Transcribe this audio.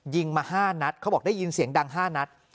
ยิงมา๕นัดเขาบอกได้ยินเสียงดัง๕นัด